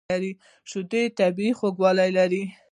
شیدې طبیعي خوږ لري.